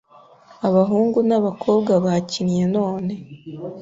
Abahungu n’abakobwa bakinnye none.